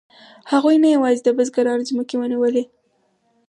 هغوی نه یوازې د بزګرانو ځمکې ونیولې